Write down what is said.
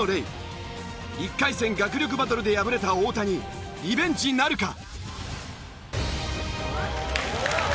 １回戦学力バトルで敗れた太田にリベンジなるか？